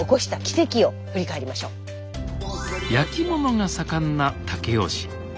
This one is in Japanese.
やきものが盛んな武雄市。